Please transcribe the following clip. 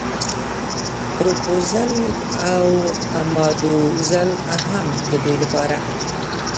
پروپوزل او ماداوزل هم د دوی لپاره.